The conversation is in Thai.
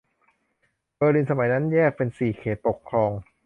เบอร์ลินสมัยนั้นแยกเป็นสี่เขตปกครอง